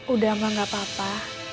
udah gak apa apa